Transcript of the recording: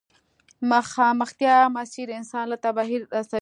مخامختيا مسير انسان له تباهي رسوي.